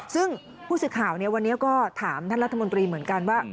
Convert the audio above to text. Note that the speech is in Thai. ซึ่งผู้สื่อข่าววันนี้ก็ถามท่านรัฐมนตรีเหมือนกันว่า